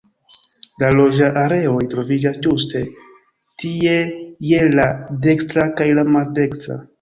La loĝa areoj troviĝas ĝuste tie je la dekstra kaj la maldekstra.